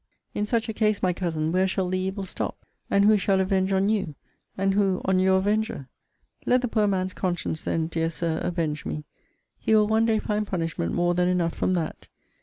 In such a case, my Cousin, where shall the evil stop? And who shall avenge on you? And who on your avenger? Let the poor man's conscience, then, dear Sir, avenge me. He will one day find punishment more than enough from that.